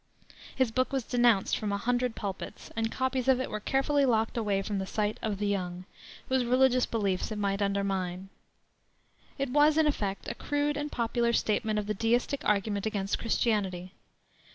His book was denounced from a hundred pulpits, and copies of it were carefully locked away from the sight of "the young," whose religious beliefs it might undermine. It was, in effect, a crude and popular statement of the Deistic argument against Christianity.